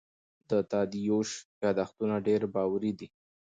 د تادیوش یادښتونه ډېر باوري دي.